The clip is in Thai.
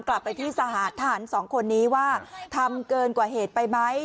กลับไปที่ทหารสองคนนี้ว่าทำเกินกว่าเหตุไปไหม